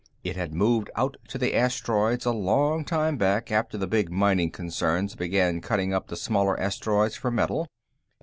It had moved out to the asteroids a long time back, after the big mining concerns began cutting up the smaller asteroids for metal.